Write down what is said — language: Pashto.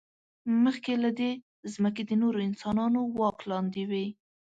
مخکې له دې، ځمکې د نورو انسانانو واک لاندې وې.